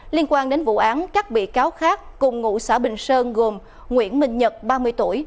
liên quan đến vụ án các bị cáo khác cùng ngụ xã bình sơn gồm nguyễn minh nhật ba mươi tuổi